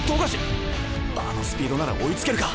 あのスピードなら追いつけるか？